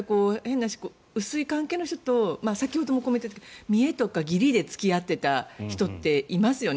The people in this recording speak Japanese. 薄い関係の人と先ほども言っていたけど見えとか義理で付き合ってた人っていますよね。